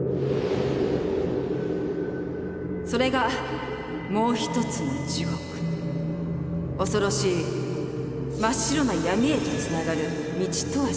それがもう１つの地獄恐ろしい「真っ白な闇」へとつながる道とは知らずに。